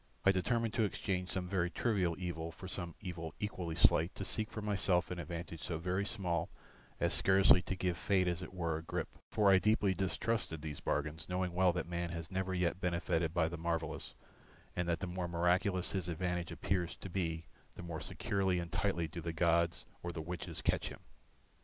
I determined to exchange some very trivial evil for some evil equally slight, to seek for myself an advantage so very small as scarcely to give Fate as it were a grip, for I deeply distrusted these bargains, knowing well that man has never yet benefited by the marvellous and that the more miraculous his advantage appears to be the more securely and tightly do the gods or the witches catch him.